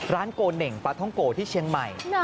โกเน่งปลาท่องโกที่เชียงใหม่